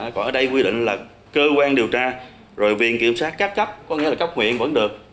còn ở đây quy định là cơ quan điều tra rồi viện kiểm sát các cấp có nghĩa là cấp quyền vẫn được